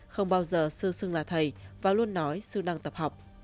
không bao giờ sư xưng là thầy và luôn nói sư đang tập học